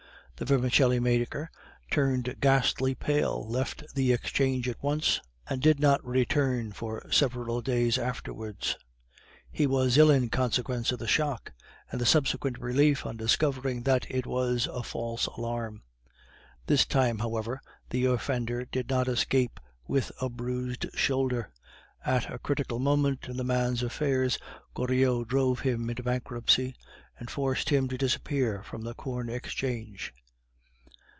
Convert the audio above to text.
The vermicelli maker turned ghastly pale, left the Exchange at once, and did not return for several days afterwards; he was ill in consequence of the shock and the subsequent relief on discovering that it was a false alarm. This time, however, the offender did not escape with a bruised shoulder; at a critical moment in the man's affairs, Goriot drove him into bankruptcy, and forced him to disappear from the Corn Exchange.